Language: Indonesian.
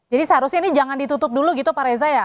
jadi seharusnya ini jangan ditutup dulu gitu pak reza ya